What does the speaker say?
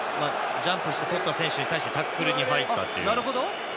ジャンプしてとった選手に対しタックルに入ったという。